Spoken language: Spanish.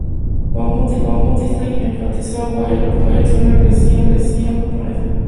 Juan Bautista Rossetti enfatizó a Welles la potencial agresión japonesa.